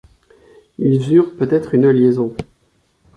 Ils eurent peut-être une liaison.